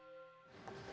polikarpus bebas murni